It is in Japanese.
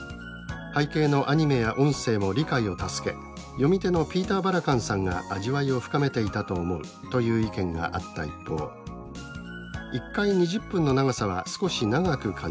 背景のアニメや音声も理解を助け読み手のピーター・バラカンさんが味わいを深めていたと思う」という意見があった一方「一回２０分の長さは少し長く感じた。